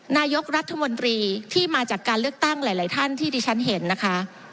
นายกรัฐมนตรีที่มาจากการเลือกตั้งหลายท่านที่ดิฉันเห็นนะคะ